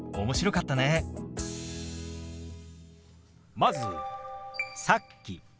まず「さっき」。